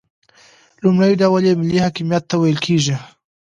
لومړی ډول یې ملي حاکمیت ته ویل کیږي.